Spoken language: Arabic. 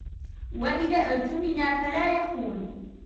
وَإِذَا اُؤْتُمِنَ فَلَا يَخُونُ